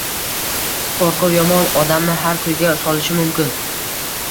Qo`rquv yomon, odamni har kuyga solishi mumkin